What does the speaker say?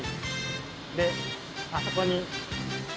であそこに。